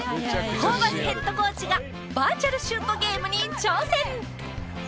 ホーバスヘッドコーチがバーチャル・シュートゲームに挑戦！